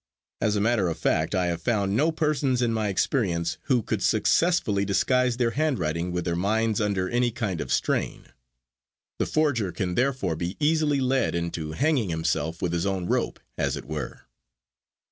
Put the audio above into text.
As a matter of fact I have found no persons in my experience who could successfully disguise their handwriting with their minds under any kind of strain. The forger can therefore be easily led into hanging himself with his own rope, as it were.